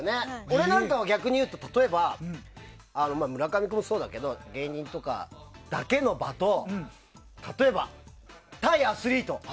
俺なんかは例えば村上君もそうだけど芸人だけの場と例えば、対アスリート。